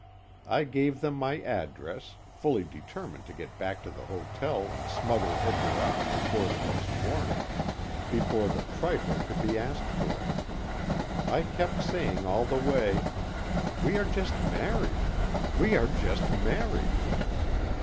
I gave them my address, fully determined to get back to the hotel and smuggle Edgar off before the next morning, before the "trifle" could be asked for. I kept saying all the way: "We are just married. We are just married.